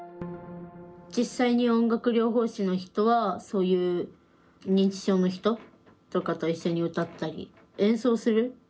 実際に音楽療法士の人はそういう認知症の人とかと一緒に歌ったり演奏する。